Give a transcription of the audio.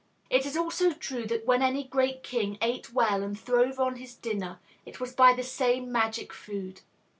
It is also true that when any great king ate well and throve on his dinner, it was by the same magic food.